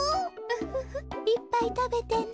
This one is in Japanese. フフフいっぱいたべてね。